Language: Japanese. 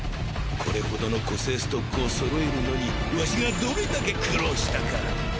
これ程の個性ストックを揃えるのにワシがどれだけ苦労したか！